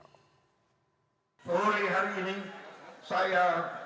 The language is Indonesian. oleh hari ini saya kekataan negara